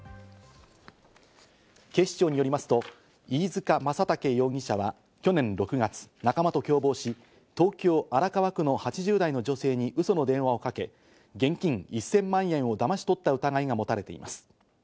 警視庁によりますと、飯塚将虎容疑者は去年６月、仲間と共謀し、東京・荒川区の８０代の女性に嘘の電話をかけ、現金１０００万円をだまし取った疑いが持たれています。